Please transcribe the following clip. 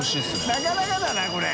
なかなかだなこれ。